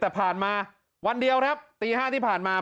แต่ผ่านมาวันเดียวครับตี๕ที่ผ่านมา